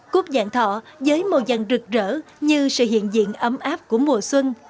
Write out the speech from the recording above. cúc vạn thọ với màu dần rực rỡ như sự hiện diện ấm áp của mùa xuân